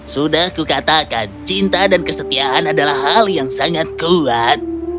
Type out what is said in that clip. sudah kukatakan cinta dan kesetiaan adalah hal yang sangat kuat